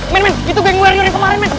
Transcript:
men men itu bang warrior yang kemarin men